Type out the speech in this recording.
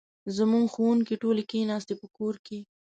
زموږ ښوونکې ټولې کښېناستي په کور کې